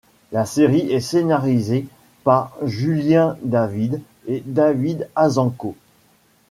La série est scénarisée par Julien David et David Azencot.